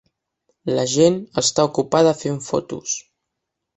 La gent està ocupada fent fotos.